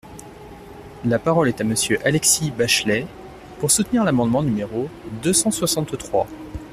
La parole est à Monsieur Alexis Bachelay, pour soutenir l’amendement numéro deux cent soixante-trois.